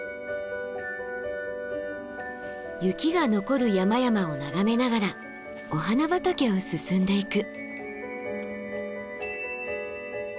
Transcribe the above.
雪が残る山々を眺めながらお花畑を進んでいく。